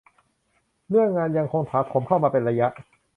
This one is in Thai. เรื่องงานยังคงถาโถมเข้ามาเป็นระยะ